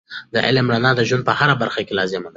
د علم رڼا د ژوند په هره برخه کې لازم دی.